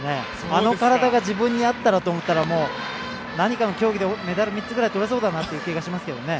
あの体が自分にあったらと思ったら、何かの競技でメダル３つぐらい取れそうだなと思いますけどね。